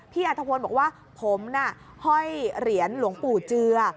อัธพลบอกว่าผมน่ะห้อยเหรียญหลวงปู่เจือ